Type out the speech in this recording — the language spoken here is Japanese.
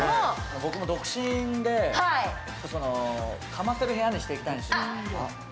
僕も独身でかまってる部屋にしたいんです。